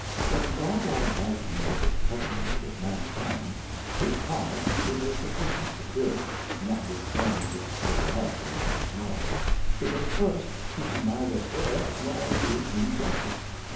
When God Almighty maketh Covenants with Mankind, His Promise is a sufficient Security, notwithstanding his Superiority and his Power; because first, he can neither err nor do injustice.